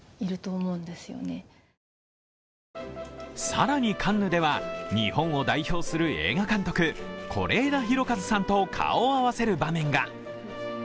更にカンヌでは、日本を代表する映画監督、是枝裕和さんと顔を合わせる場面が。